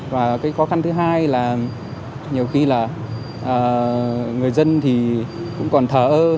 và cái khó khăn thứ hai là nhiều khi là người dân thì cũng còn thở ơ